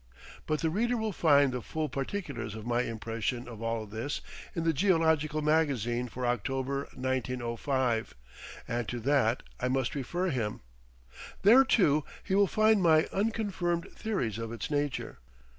But the reader will find the full particulars of my impression of all this in the Geological Magazine for October, 1905, and to that I must refer him. There, too, he will find my unconfirmed theories of its nature.